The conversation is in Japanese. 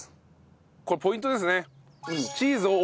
これポイントですね。